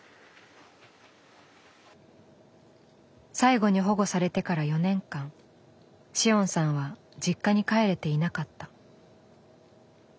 最後に保護されてから４年間紫桜さんは実家に帰れていなかった。